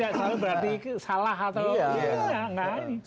gak tahu berarti salah atau gitu kan gak ada nih